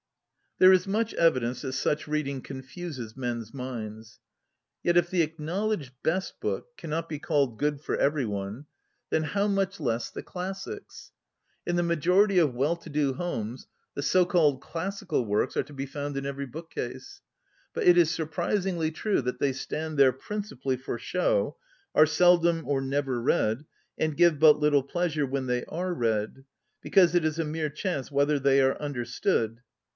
There is much evidence that such reading confuses men's minds. Yet if the acknowledged "best" book cannot be called good for every one, then how much less the 2S ON READING classics! In the majority of well to do homes the so called classical works are to be fomid in every book case. But it is surprisingly true that they stand there principally for show, are seldom or never read, and give but little pleasure when they are read, because it is a mere chance whether they are understood.